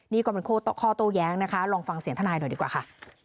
นี่ก็เป็นข้อโต้แย้งนะคะลองฟังเสียงทนายหน่อยดีกว่าค่ะ